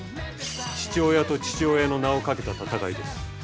父親と父親の名をかけた戦いです。